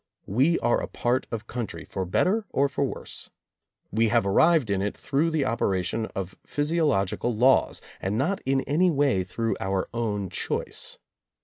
We are a part of country, for better or for worse. We have ar rived in it through the operation of physiological laws, and not in any way through our own choice.